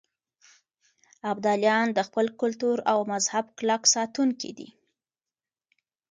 ابدالیان د خپل کلتور او مذهب کلک ساتونکي دي.